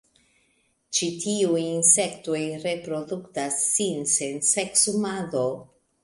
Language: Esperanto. Ĉi tiuj insektoj reprodukas sin sen seksumado.